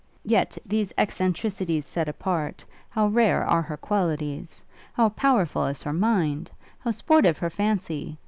Yet, these eccentricities set apart, how rare are her qualities! how powerful is her mind! how sportive her fancy!